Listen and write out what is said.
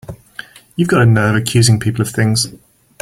You've got a nerve accusing people of things!